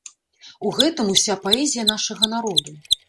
У гэтым уся паэзія нашага народу.